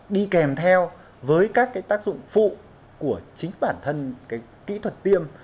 đi kèm theo với các tác dụng phụ của chính bản thân kỹ thuật tiêm